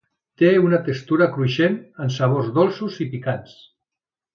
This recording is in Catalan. Té una textura cruixent amb sabors dolços i picants.